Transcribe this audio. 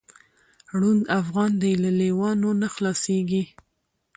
ړوند افغان دی له لېوانو نه خلاصیږي